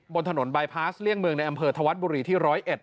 บนถนนบายพาสเลี่ยงเมืองในอำเภอธวัฒน์บุรีที่๑๐๑